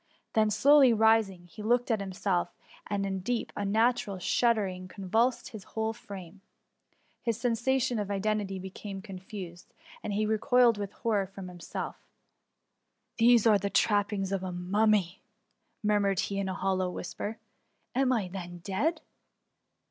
Then slowly rising, he looked at himself, and a deep, unnatural shuddering convulsed his whole frame. His sensations of identity be came confused, and he recoiled with horror from himself :^^ These are the trappings of a mummy !"' murmured he in a hollow whisper. Am I then dead